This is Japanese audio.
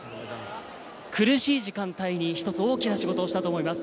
苦しい時間帯に、１つ大きな仕事をしたと思います。